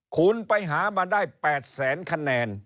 คุณไปหามาได้๘แสนคะแนน